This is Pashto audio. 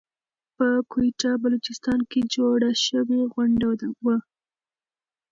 په کويټه بلوچستان کې جوړه شوى غونډه وه .